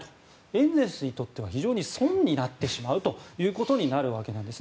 エンゼルスにとっては非常に損になってしまうということになるわけです。